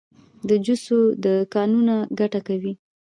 د جوسو دکانونه ګټه کوي؟